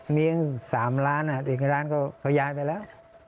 มีอย่าง๓ร้านอีกร้านเขาย้ายไปแล้ว